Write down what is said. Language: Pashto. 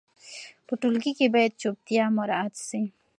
په ټولګي کې باید چوپتیا مراعت سي.